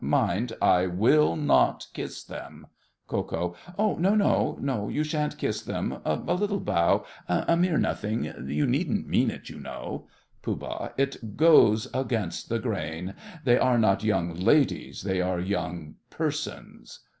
Mind, I will not kiss them. KO. No, no, you shan't kiss them; a little bow—a mere nothing—you needn't mean it, you know. POOH. It goes against the grain. They are not young ladies, they are young persons.